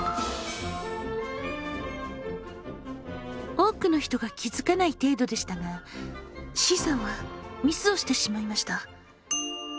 多くの人が気づかない程度でしたがＣさんはミスをしてしまいました。